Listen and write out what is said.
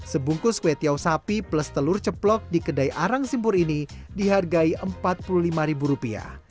sebungkus kue tiau sapi plus telur ceplok di kedai arang simpur ini dihargai rp empat puluh lima